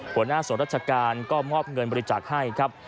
หัวหน้าส่วนราชการก็มอบเงินบริจาคให้ครับ